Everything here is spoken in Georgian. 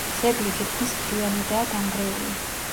ძეგლი თითქმის მთლიანადაა დანგრეული.